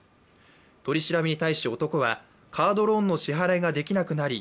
取り調べに対し男は、カードローンの支払いができなくなり